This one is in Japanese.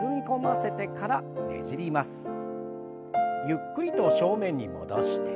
ゆっくりと正面に戻して。